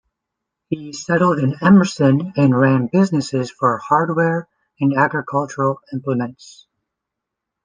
He settled in Emerson, and ran businesses for hardware and agricultural implements.